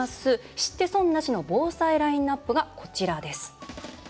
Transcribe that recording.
知って損なしの防災ラインアップがこちらです。